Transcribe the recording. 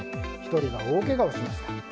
１人が大けがをしました。